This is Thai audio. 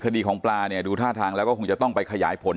คดีของปลาเนี่ยดูท่าทางแล้วก็คงจะต้องไปขยายผล